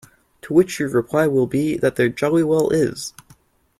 To which your reply will be that there jolly well is.